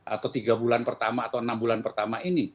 atau tiga bulan pertama atau enam bulan pertama ini